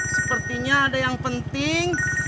sepertinya ada yang penting